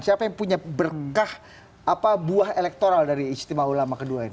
siapa yang punya berkah apa buah elektoral dari istimewa ulama kedua ini